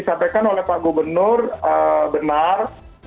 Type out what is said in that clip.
disampaikan oleh pak gubernur benar